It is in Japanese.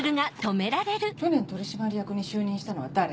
去年取締役に就任したのは誰？